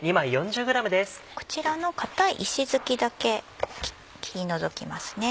こちらの硬い石づきだけ切り除きますね。